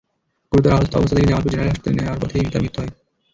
গুরুতর আহত অবস্থায় তাকে জামালপুর জেনারেল হাসপাতালে নেওয়ার পথেই তার মৃত্যু হয়।